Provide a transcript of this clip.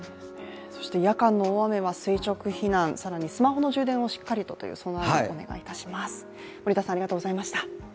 そして夜間の大雨は避難更にスマホの充電をしっかりとという、備えをお願いします。